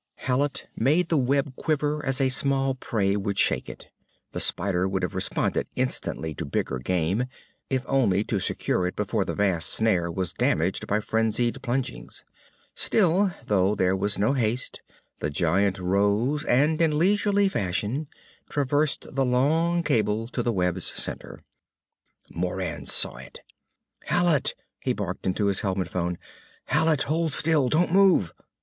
Hallet made the web quiver as small prey would shake it. The spider would have responded instantly to bigger game, if only to secure it before the vast snare was damaged by frenzied plungings. Still, though there was no haste, the giant rose and in leisurely fashion traversed the long cable to the web's center. Moran saw it. "Hallet!" he barked into his helmet phone, "Hallet! Hold still! Don't move!"